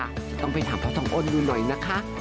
ต้องไปถามพ่อทองอ้นดูหน่อยนะคะ